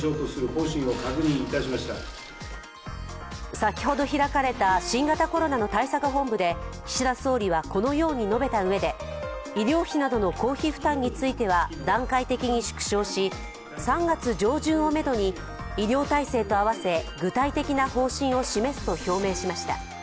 先ほど開かれた新型コロナの対策本部で岸田総理はこのように述べたうえで、医療費などの公費負担については段階的に縮小し、３月上旬をめどに医療体制とあわせ具体的な方針を示すと表明しました。